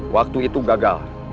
waktu itu gagal